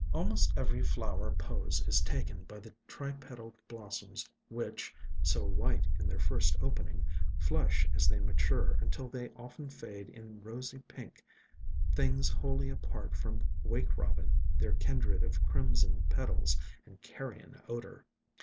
Almost every flower pose is taken by the tri petaled blossoms which, so white in their first opening, flush as they mature until they often fade in rosy pink, — things wholly apart from Wake Robin, their kindred of crimson petals and carrion odor.